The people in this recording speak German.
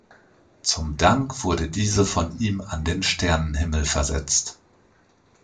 Zum Dank wurde diese von ihm an den Sternenhimmel versetzt.